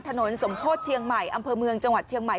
สมโพธิเชียงใหม่อำเภอเมืองจังหวัดเชียงใหม่